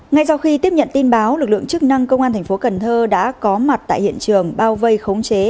ngay sau khi tiếp nhận tin báo lực lượng chức năng công an tp cn đã có mặt tại hiện trường bao vây khống chế